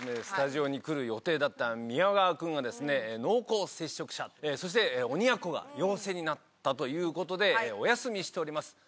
スタジオに来る予定だった宮川くんがですね濃厚接触者そして鬼奴が陽性になったということでお休みしております。